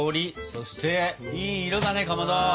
そしていい色だねかまど！